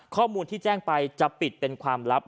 ข้อมูลที่แจ้งไปจะปิดเป็นความลับ